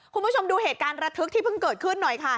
คุณผู้ชมดูเหตุการณ์ระทึกที่เพิ่งเกิดขึ้นหน่อยค่ะ